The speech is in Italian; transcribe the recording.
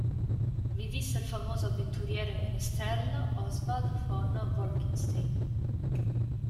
Vi visse il famoso avventuriero e menestrello Oswald von Wolkenstein.